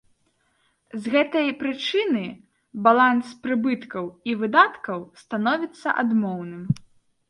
З гэтай прычыны баланс прыбыткаў і выдаткаў становіцца адмоўным.